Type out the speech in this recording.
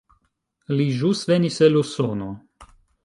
Li ĵus venis el Usono.